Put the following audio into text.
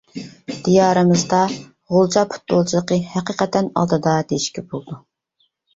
دىيارىمىزدا غۇلجا پۇتبولچىلىقى ھەقىقەتەن ئالدىدا دېيىشكە بولىدۇ.